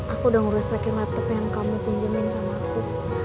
aku udah ngeresakin laptop yang kamu pinjemin sama aku